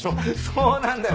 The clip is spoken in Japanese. そうなんだよ。